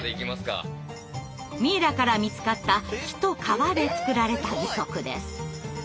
ミイラから見つかった木と皮で作られた義足です。